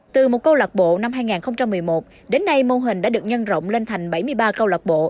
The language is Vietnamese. từ một câu lạc bộ năm hai nghìn một mươi một đến nay mô hình đã được nhân rộng lên thành bảy mươi ba câu lạc bộ